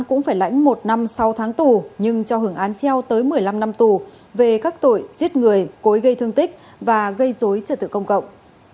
cũng phải lãnh một năm sau tháng tù nhưng cho hưởng án treo tới một mươi năm năm tù về các tội giết người cố ý gây thương tích và gây dối trật tự công cộng